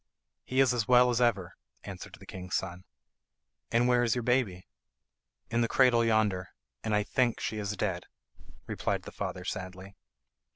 "He is as well as ever," answered the king's son. "And where is your baby?" "In the cradle yonder, and I think she is dead," replied the father sadly.